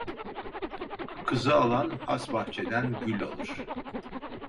Kızı alan has bahçeden gül alır.